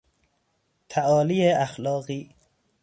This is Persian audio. تعالی اخلاقی